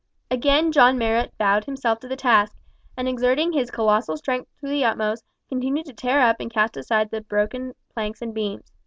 Again John Marrot bowed himself to the task, and exerting his colossal strength to the utmost, continued to tear up and cast aside the broken planks and beams.